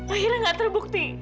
akhirnya gak terbukti